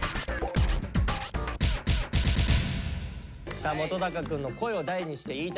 さあ本くんの「声を大にして言いたいこと」